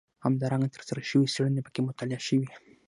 همدارنګه ترسره شوې څېړنې پکې مطالعه شوي.